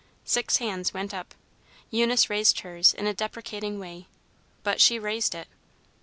Six hands went up. Eunice raised hers in a deprecating way, but she raised it.